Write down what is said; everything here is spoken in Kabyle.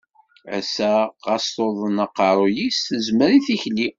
Ass-a, ɣas tuḍen aqeṛṛu-s, tezmer i tikli.